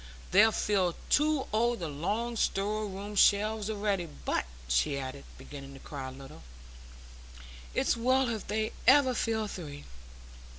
They fill two o' the long store room shelves a'ready; but," she added, beginning to cry a little, "it's well if they ever fill three.